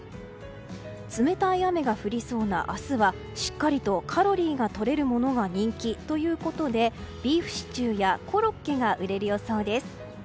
冷たい雨が降りそうな明日はしっかりとカロリーがとれるものが人気ということでビーフシチューやコロッケが売れる予想です。